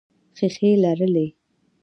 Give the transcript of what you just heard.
ښیښې لرلې.